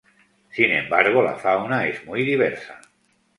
Sin embargo la fauna es muy diversa.